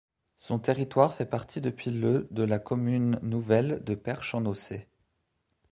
Son territoire fait partie depuis le de la commune nouvelle de Perche-en-Nocé.